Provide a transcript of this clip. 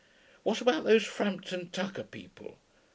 What about these Frampton Tucker people?